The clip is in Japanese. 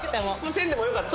せんでもよかった？